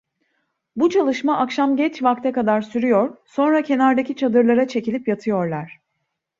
Bu çalışma akşam geç vakte kadar sürüyor, sonra kenardaki çadırlara çekilip yatıyorlar.